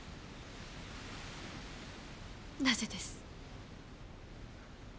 なぜです？え。